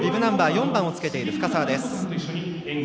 ４番をつけている深沢です。